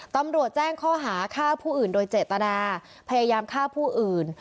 ตำรวจแจ้งข้อหาฆ่าผู้อื่นโดยเจตนาพยายามฆ่าผู้อื่น